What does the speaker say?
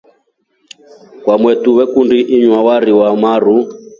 Kwamotu vakundi inywa wari wamaru.